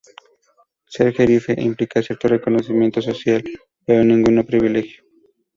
Ser jerife implica cierto reconocimiento social, pero ningún privilegio.